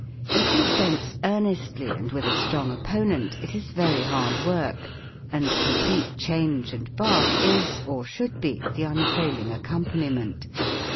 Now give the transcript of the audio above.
If you fence earnestly and with a strong opponent, it is very hard work, and complete change and bath is, or should be, the unfailing accompaniment.